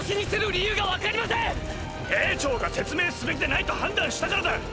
兵長が説明すべきでないと判断したからだ！